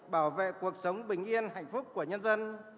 bảo vệ cuộc sống bình yên hạnh phúc của nhân dân